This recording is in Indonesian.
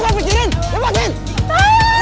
tunggu sebentar ya masannya